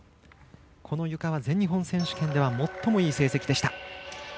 ゆかは全日本選手権では最もいい成績でした。